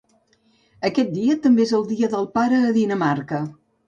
Aquest dia també és el Dia del pare a Dinamarca.